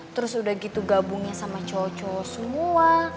terus udah gitu gabungnya sama cowok cowok semua